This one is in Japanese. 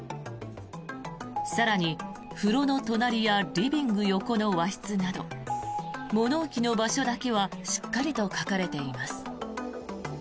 更に、風呂の隣やリビング横の和室など物置の場所だけはしっかりと書かれています。